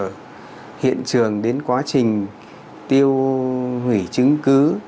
ở hiện trường đến quá trình tiêu hủy chứng cứ